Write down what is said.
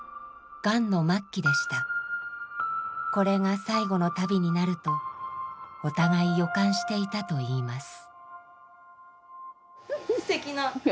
これが最後の旅になるとお互い予感していたといいます。